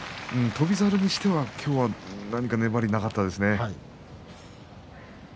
翔猿にしては今日は粘りがなかったですね。